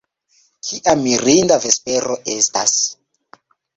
Kia mirinda vespero estas.